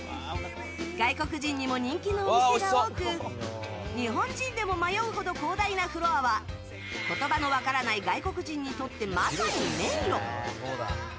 外国人にも人気のお店が多く日本人でも迷うほど広大なフロアは言葉の分からない外国人にとってまさに迷路。